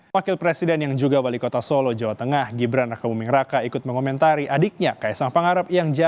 masih gibran mengaku belum mendengar ilangnya